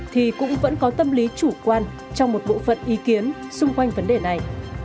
thì cũng vẫn có tâm lý chủ quan trong một bộ phận ý kiến xung quanh vấn đề này